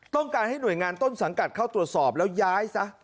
ต้องการให้หน่วยงานต้นสังกัดเข้าตรวจสอบแล้วย้ายซะ